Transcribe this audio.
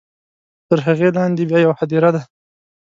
تر هغې لاندې بیا یوه هدیره ده.